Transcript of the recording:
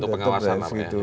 ya untuk pengawasan apa ya